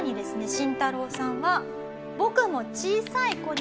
シンタロウさんは。